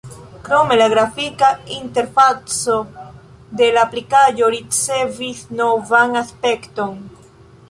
Krome la grafika interfaco de la aplikaĵo ricevis novan aspekton.